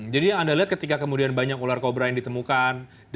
jadi yang anda lihat ketika kemudian banyak ular kobra yang ditemukan